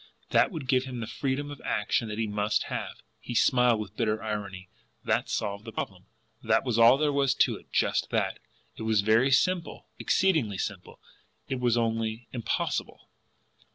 That would give him the freedom of action that he must have. He smiled with bitter irony. That solved the problem! That was all there was to it just that! It was very simple, exceedingly simple; it was only impossible!